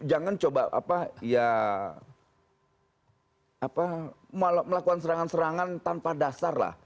jangan coba melakukan serangan serangan tanpa dasar lah